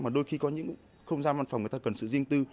mà đôi khi có những không gian văn phòng người ta cần sự riêng tư